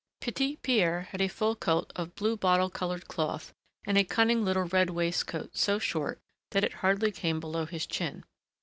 Petit Pierre had a full coat of blue bottle colored cloth, and a cunning little red waistcoat so short that it hardly came below his chin.